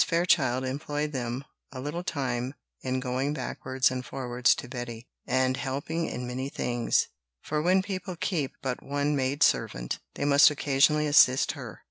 Fairchild employed them a little time in going backwards and forwards to Betty, and helping in many things; for when people keep but one maidservant, they must occasionally assist her.